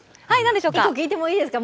一個聞いてもいいですか？